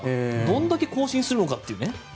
どんだけ更新するのかっていう。